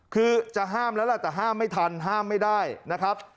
คือจะห้ามแล้วล่ะแต่ห้ามไม่ทันห้ามไม่ได้นะครับ